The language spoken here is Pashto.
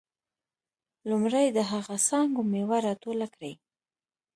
لومړی د هغه څانګو میوه راټوله کړئ.